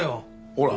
ほら！